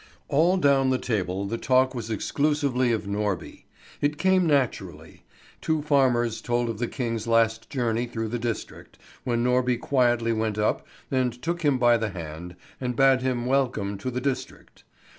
All down the table the talk was exclusively of Norby. It came naturally. Two farmers told of the King's last journey through the district, when Norby quietly went up and took him by the hand, and bade him welcome to the district.